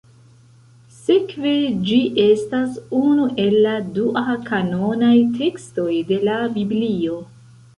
Sekve ĝi estas unu el la dua-kanonaj tekstoj de la Biblio.